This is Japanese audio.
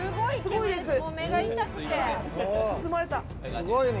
すごいね！